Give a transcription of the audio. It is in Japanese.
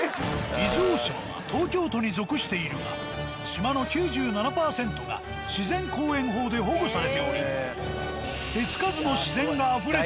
伊豆大島は東京都に属しているが島の９７％が自然公園法で保護されており手付かずの自然があふれている。